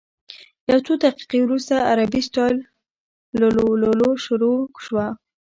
یو څو دقیقې وروسته عربي سټایل لللووللوو شروع شوه.